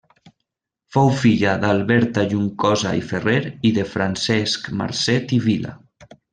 Fou filla d'Alberta Juncosa i Ferrer i de Francesc Marcet i Vila.